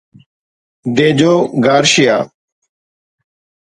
ديجو Garcia